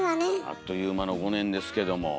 あっという間の５年ですけども。